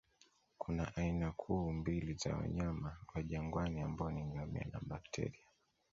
Kuna aina kuu mbili za wanyama wa jangwani ambao ni ngamia na bakteria